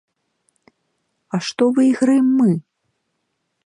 А што выйграем мы?